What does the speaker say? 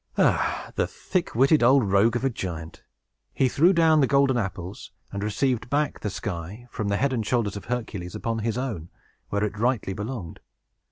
Ah, the thick witted old rogue of a giant! He threw down the golden apples, and received back the sky, from the head and shoulders of Hercules, upon his own, where it rightly belonged.